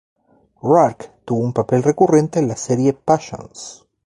Roark tuvo un papel recurrente en la serie "Passions".